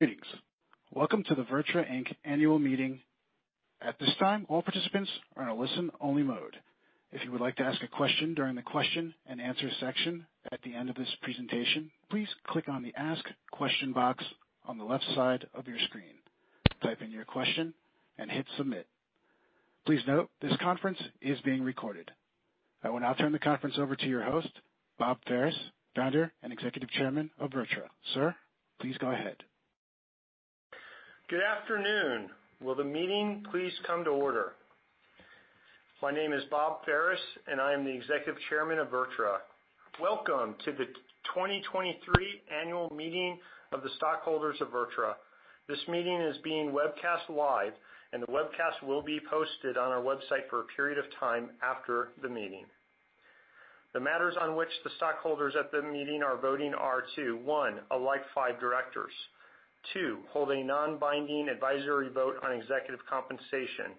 Greetings. Welcome to the VirTra Inc. annual meeting. At this time, all participants are in a listen-only mode. If you would like to ask a question during the question and answer section at the end of this presentation, please click on the Ask Question box on the left side of your screen, type in your question, and hit Submit. Please note, this conference is being recorded. I will now turn the conference over to your host, Bob Ferris, Founder and Executive Chairman of VirTra. Sir, please go ahead. Good afternoon. Will the meeting please come to order? My name is Bob Ferris, and I am the Executive Chairman of VirTra. Welcome to the 2023 Annual Meeting of the stockholders of VirTra. This meeting is being webcast live, and the webcast will be posted on our website for a period of time after the meeting. The matters on which the stockholders at the meeting are voting are to: one, elect five directors. Two, hold a non-binding advisory vote on executive compensation.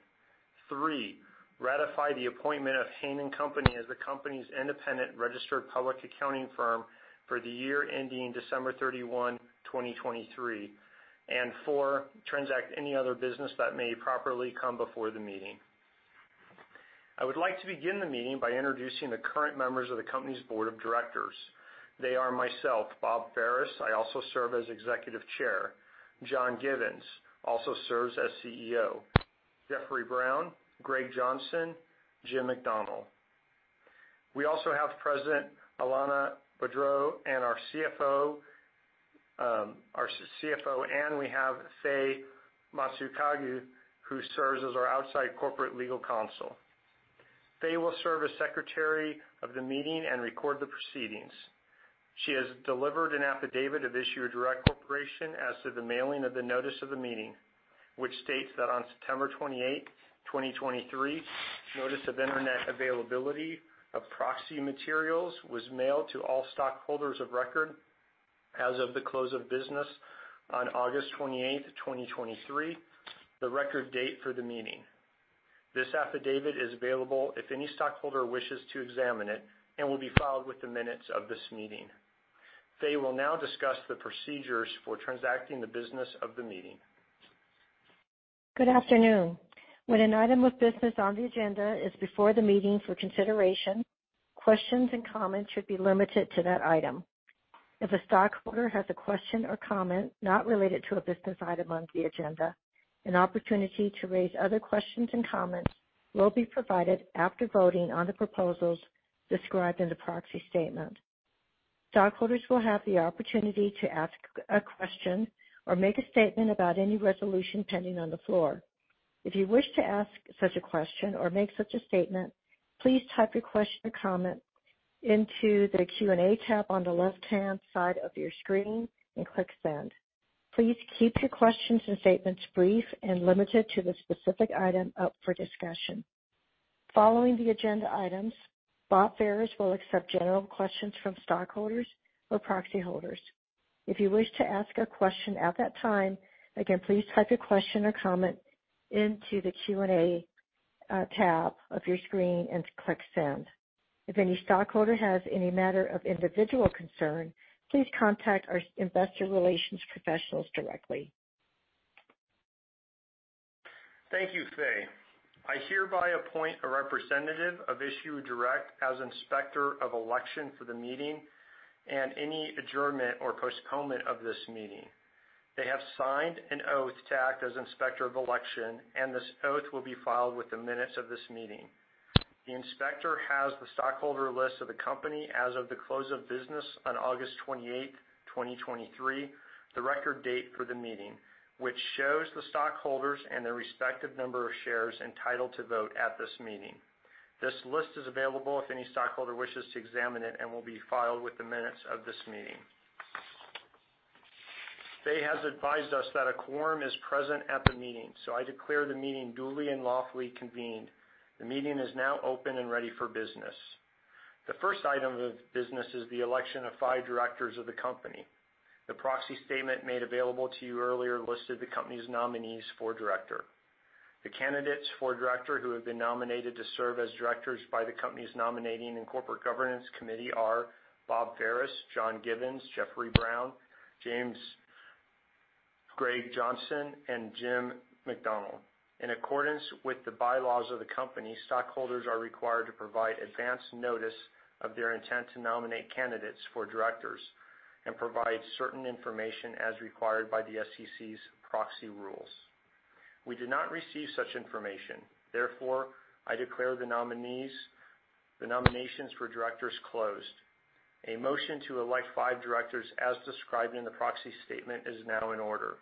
Three, ratify the appointment of Haynie & Company as the company's independent registered public accounting firm for the year ending December 31, 2023. And four, transact any other business that may properly come before the meeting. I would like to begin the meeting by introducing the current members of the company's board of directors. They are myself, Bob Ferris. I also serve as Executive Chair. John Givens also serves as CEO. Jeffrey Brown, Gregg Johnson, Jim McDonnell. We also have President Alanna Boudreau and our CFO, our CFO, and we have Fay Matsukage, who serves as our outside corporate legal counsel. Fay will serve as secretary of the meeting and record the proceedings. She has delivered an Affidavit of Mailing of Issuer Direct Corporation as to the mailing of the notice of the meeting, which states that on September 28, 2023, notice of internet availability of proxy materials was mailed to all stockholders of record as of the close of business on August 28, 2023, the record date for the meeting. This affidavit is available if any stockholder wishes to examine it and will be filed with the minutes of this meeting. Fay will now discuss the procedures for transacting the business of the meeting. Good afternoon. When an item of business on the agenda is before the meeting for consideration, questions and comments should be limited to that item. If a stockholder has a question or comment not related to a business item on the agenda, an opportunity to raise other questions and comments will be provided after voting on the proposals described in the proxy statement. Stockholders will have the opportunity to ask a question or make a statement about any resolution pending on the floor. If you wish to ask such a question or make such a statement, please type your question or comment into the Q&A tab on the left-hand side of your screen and click Send. Please keep your questions and statements brief and limited to the specific item up for discussion. Following the agenda items, Bob Ferris will accept general questions from stockholders or proxy holders. If you wish to ask a question at that time, again, please type your question or comment into the Q&A tab of your screen and click Send. If any stockholder has any matter of individual concern, please contact our investor relations professionals directly. Thank you, Fay. I hereby appoint a representative of Issuer Direct as Inspector of Election for the meeting and any adjournment or postponement of this meeting. They have signed an oath to act as Inspector of Election, and this oath will be filed with the minutes of this meeting. The inspector has the stockholder list of the company as of the close of business on August 28, 2023, the record date for the meeting, which shows the stockholders and their respective number of shares entitled to vote at this meeting. This list is available if any stockholder wishes to examine it and will be filed with the minutes of this meeting. Fay has advised us that a quorum is present at the meeting, so I declare the meeting duly and lawfully convened. The meeting is now open and ready for business. The first item of business is the election of five directors of the company. The proxy statement made available to you earlier listed the company's nominees for director. The candidates for director who have been nominated to serve as directors by the company's Nominating and Corporate Governance Committee are Bob Ferris, John Givens, Jeffrey Brown, Gregg Johnson, and Jim McDonnell. In accordance with the bylaws of the company, stockholders are required to provide advanced notice of their intent to nominate candidates for directors and provide certain information as required by the SEC's proxy rules. We did not receive such information; therefore, I declare the nominees, the nominations for directors closed. A motion to elect five directors, as described in the proxy statement, is now in order.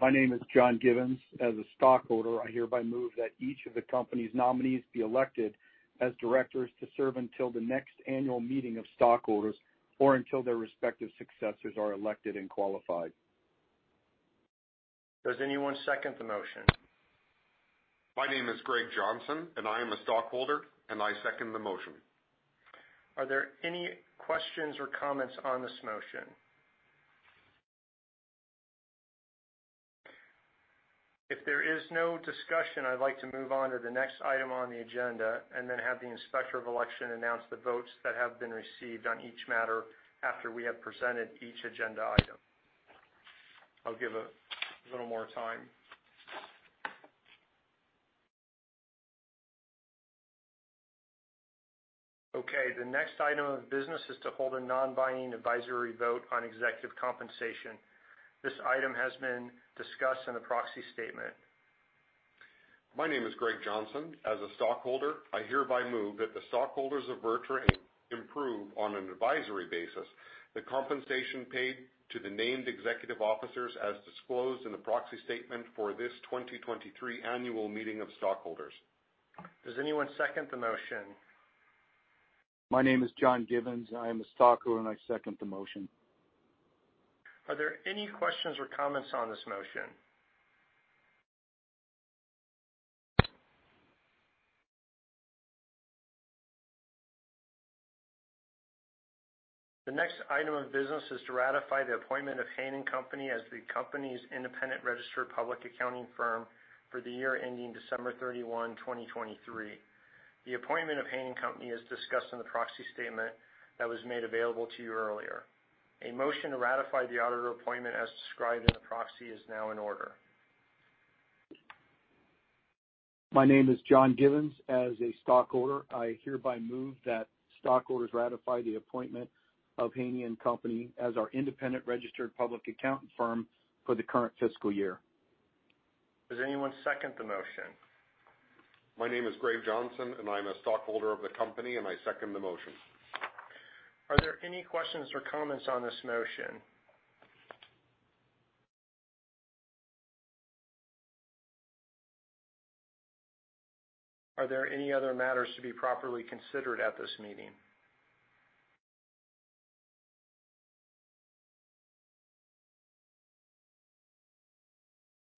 My name is John Givens. As a stockholder, I hereby move that each of the company's nominees be elected as directors to serve until the next annual meeting of stockholders or until their respective successors are elected and qualified. Does anyone second the motion? My name is Gregg Johnson, and I am a stockholder, and I second the motion. Are there any questions or comments on this motion? If there is no discussion, I'd like to move on to the next item on the agenda and then have the Inspector of Election announce the votes that have been received on each matter after we have presented each agenda item. I'll give a little more time. Okay, the next item of business is to hold a non-binding advisory vote on executive compensation. This item has been discussed in the proxy statement. My name is Gregg Johnson. As a stockholder, I hereby move that the stockholders of VirTra approve on an advisory basis the compensation paid to the named executive officers as disclosed in the proxy statement for this 2023 annual meeting of stockholders. Does anyone second the motion? My name is John Givens. I am a stockholder, and I second the motion. Are there any questions or comments on this motion? The next item of business is to ratify the appointment of Haynie & Company as the company's independent registered public accounting firm for the year ending December 31, 2023. The appointment of Haynie & Company is discussed in the proxy statement that was made available to you earlier. A motion to ratify the auditor appointment as described in the proxy is now in order. My name is John Givens. As a stockholder, I hereby move that stockholders ratify the appointment of Haynie & Company as our independent registered public accounting firm for the current fiscal year. Does anyone second the motion? My name is Gregg Johnson, and I'm a stockholder of the company, and I second the motion. Are there any questions or comments on this motion? Are there any other matters to be properly considered at this meeting?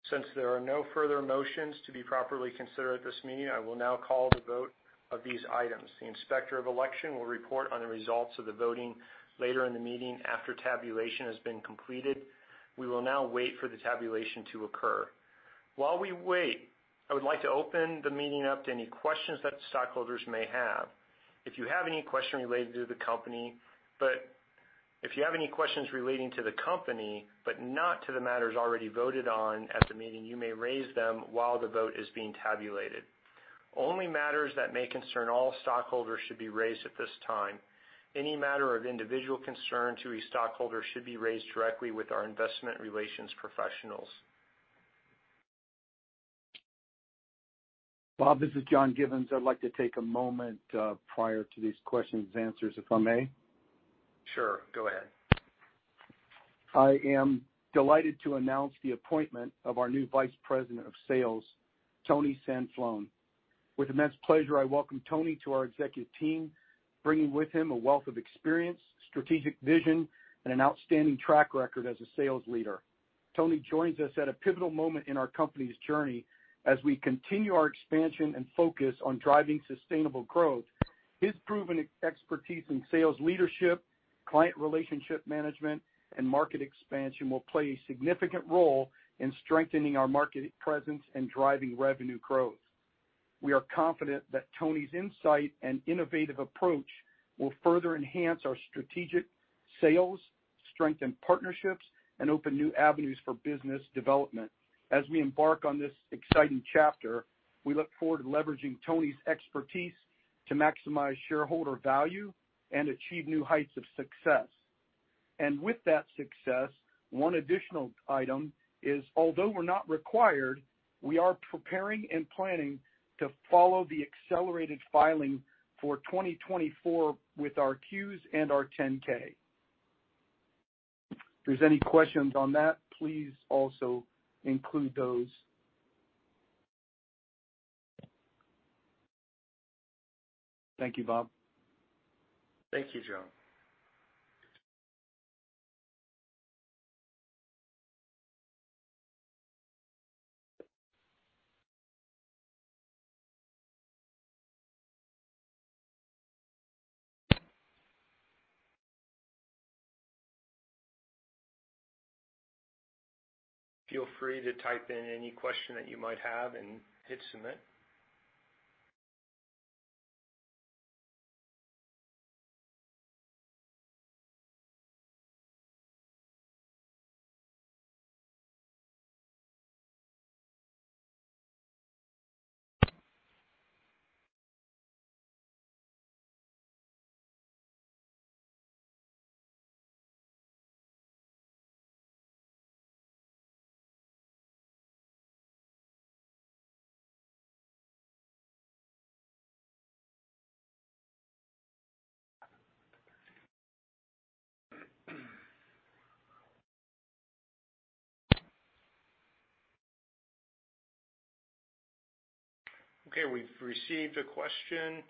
Since there are no further motions to be properly considered at this meeting, I will now call the vote of these items. The Inspector of Election will report on the results of the voting later in the meeting after tabulation has been completed. We will now wait for the tabulation to occur. While we wait, I would like to open the meeting up to any questions that stockholders may have. If you have any question related to the company, but if you have any questions relating to the company, but not to the matters already voted on at the meeting, you may raise them while the vote is being tabulated. Only matters that may concern all stockholders should be raised at this time. Any matter of individual concern to a stockholder should be raised directly with our investment relations professionals. Bob, this is John Givens. I'd like to take a moment prior to these questions and answers, if I may? Sure, go ahead. I am delighted to announce the appointment of our new Vice President of Sales, Tony Cianflone. With immense pleasure, I welcome Tony to our executive team, bringing with him a wealth of experience, strategic vision, and an outstanding track record as a sales leader. Tony joins us at a pivotal moment in our company's journey as we continue our expansion and focus on driving sustainable growth. His proven expertise in sales leadership, client relationship management, and market expansion will play a significant role in strengthening our market presence and driving revenue growth. We are confident that Tony's insight and innovative approach will further enhance our strategic sales, strengthen partnerships, and open new avenues for business development. As we embark on this exciting chapter, we look forward to leveraging Tony's expertise to maximize shareholder value and achieve new heights of success. With that success, one additional item is, although we're not required, we are preparing and planning to follow the accelerated filing for 2024 with our Qs and our 10-K. If there's any questions on that, please also include those. Thank you, Bob. Thank you, John. Feel free to type in any question that you might have and hit Submit. Okay, we've received a question: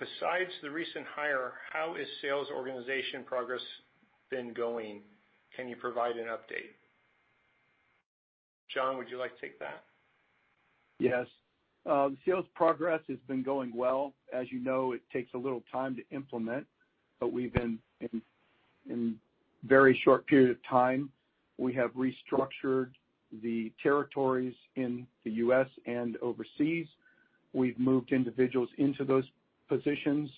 Besides the recent hire, how is sales organization progress been going? Can you provide an update? John, would you like to take that? Yes. The sales progress has been going well. As you know, it takes a little time to implement, but we've been in very short period of time, we have restructured the territories in the U.S. and overseas. We've moved individuals into those positions.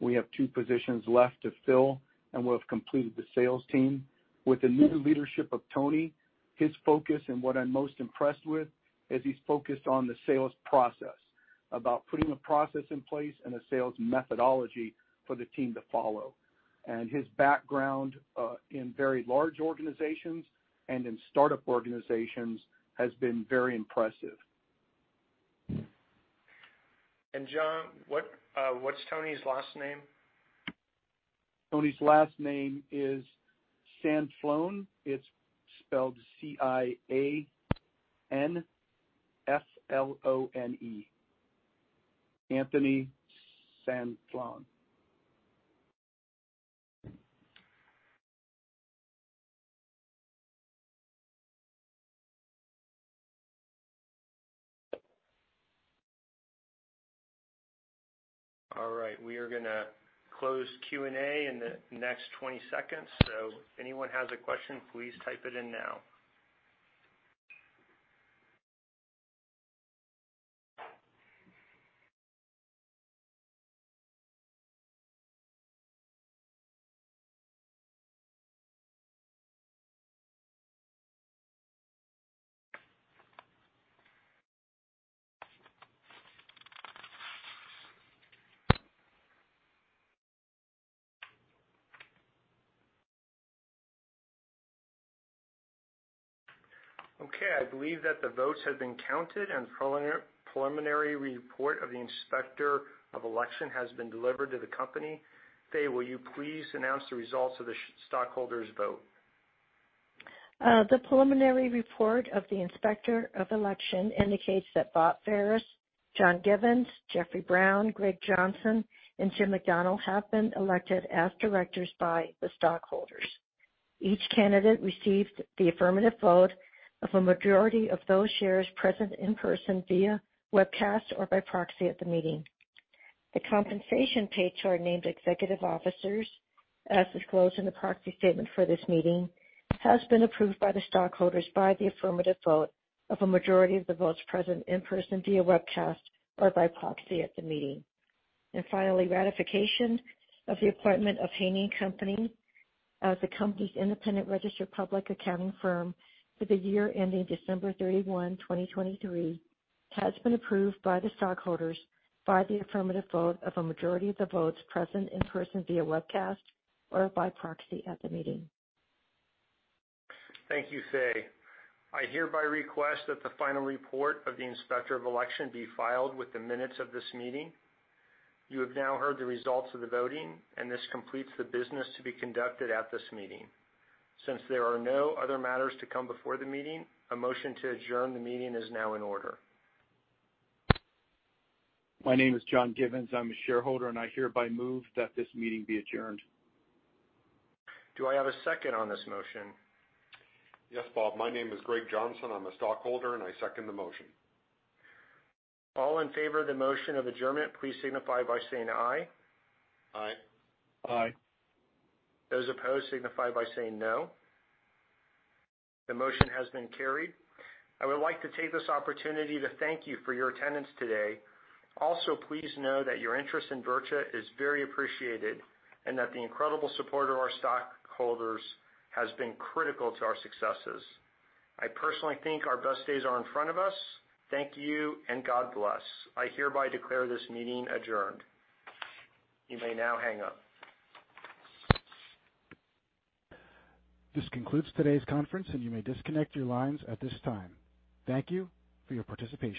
We have two positions left to fill, and we'll have completed the sales team. With the new leadership of Tony, his focus and what I'm most impressed with, is he's focused on the sales process, about putting a process in place and a sales methodology for the team to follow. And his background in very large organizations and in startup organizations has been very impressive. John, what's Tony's last name? Tony's last name is Cianflone. It's spelled C-I-A-N-F-L-O-N-E. Anthony Cianflone. All right, we are gonna close Q&A in the next 20 seconds, so if anyone has a question, please type it in now. Okay, I believe that the votes have been counted, and the preliminary report of the Inspector of Election has been delivered to the company. Fay, will you please announce the results of the stockholders vote? The preliminary report of the Inspector of Election indicates that Bob Ferris, John Givens, Jeffrey Brown, Gregg Johnson, and Jim McDonnell have been elected as directors by the stockholders. Each candidate received the affirmative vote of a majority of those shares present in person via webcast or by proxy at the meeting. The compensation paid to our named executive officers, as disclosed in the proxy statement for this meeting, has been approved by the stockholders by the affirmative vote of a majority of the votes present in person via webcast or by proxy at the meeting. And finally, ratification of the appointment of Haynie & Company as the company's independent registered public accounting firm for the year ending December 31, 2023, has been approved by the stockholders via the affirmative vote of a majority of the votes present in person via webcast or by proxy at the meeting. Thank you, Fay. I hereby request that the final report of the Inspector of Election be filed with the minutes of this meeting. You have now heard the results of the voting, and this completes the business to be conducted at this meeting. Since there are no other matters to come before the meeting, a motion to adjourn the meeting is now in order. My name is John Givens, I'm a shareholder, and I hereby move that this meeting be adjourned. Do I have a second on this motion? Yes, Bob. My name is Gregg Johnson, I'm a stockholder, and I second the motion. All in favor of the motion of adjournment, please signify by saying aye. Aye. Aye. Those opposed, signify by saying no. The motion has been carried. I would like to take this opportunity to thank you for your attendance today. Also, please know that your interest in VirTra is very appreciated, and that the incredible support of our stockholders has been critical to our successes. I personally think our best days are in front of us. Thank you, and God bless. I hereby declare this meeting adjourned. You may now hang up. This concludes today's conference, and you may disconnect your lines at this time. Thank you for your participation.